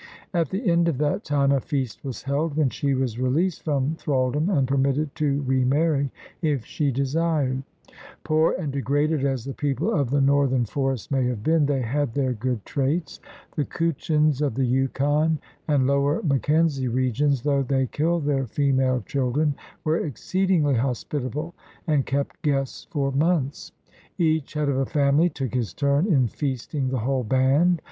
At the end of that time a feast was held, when she was released from thraldom and permitted to remarry if she desired Poor and degraded as the people of the northern forests may have been, they had their good traits. The Kutchins of the Yukon and Lower Mackenzie regions, though they killed their female children, were exceedingly hospitable and kept guests for months. Each head of a family took his turn in feasting the whole band.